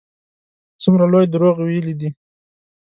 څومره لوی دروغ ویلي دي.